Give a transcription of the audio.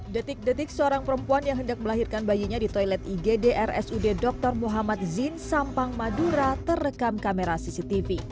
detik detik seorang perempuan yang hendak melahirkan bayinya di toilet igd rsud dr muhammad zin sampang madura terekam kamera cctv